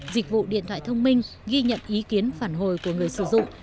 dịch vụ điện thoại thông minh ghi nhận ý kiến phản hồi của người sử dụng